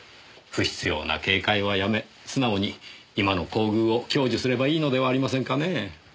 不必要な警戒はやめ素直に今の厚遇を享受すればいいのではありませんかねえ。